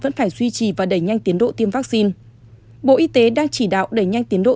vẫn phải duy trì và đẩy nhanh tiến độ tiêm vaccine bộ y tế đang chỉ đạo đẩy nhanh tiến độ